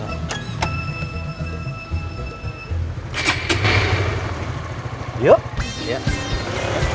ah kamu ceng bercanda ceng